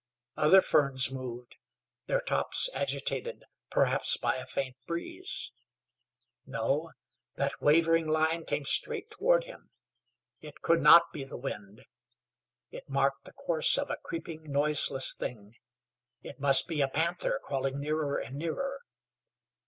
Other ferns moved, their tops agitated, perhaps, by a faint breeze. No; that wavering line came straight toward him; it could not be the wind; it marked the course of a creeping, noiseless thing. It must be a panther crawling nearer and nearer.